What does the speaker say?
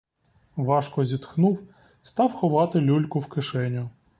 Важко зітхнув, став ховати люльку в кишеню.